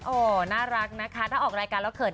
โอ้โหน่ารักนะคะถ้าออกรายการแล้วเขิน